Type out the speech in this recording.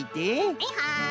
はいはい。